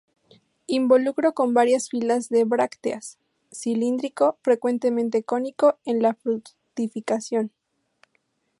Involucro con varias filas de brácteas, cilíndrico, frecuentemente cónico en la fructificación.